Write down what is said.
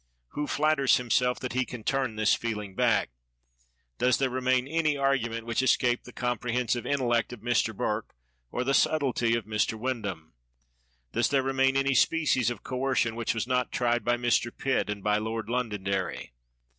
Who flatters himself that he can turn this feeling back? Does there remain any argument which escaped the com prehensive intellect of Mr. Burke, or the subtlety of Mr. Windham ? Does there remain any species of coercion which was not tried by Mr. Pitt and by Lord Londonderry?